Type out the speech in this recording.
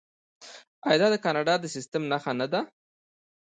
آیا دا د کاناډا د سیستم نښه نه ده؟